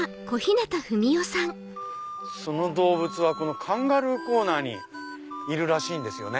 その動物はカンガルーコーナーにいるらしいんですよね。